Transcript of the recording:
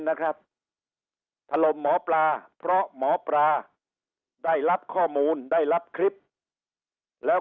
นะครับถล่มหมอปลาเพราะหมอปลาได้รับข้อมูลได้รับคลิปแล้ว